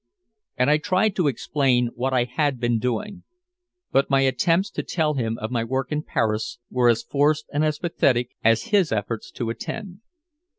And I tried to explain what I had been doing. But my attempts to tell him of my work in Paris were as forced and as pathetic as his efforts to attend.